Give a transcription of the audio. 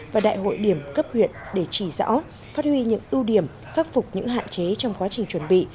và đại hội điểm cấp huyện để chỉ rõ phát huy những ưu điểm khắc phục những hạn chế trong quá trình chuẩn bị